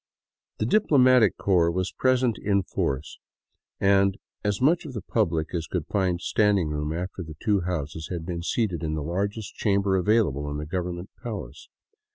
The diplomatic corps was present in force, and as much of the public as could find standing room after the two houses had been seated in the largest chamber avail able in the government palace.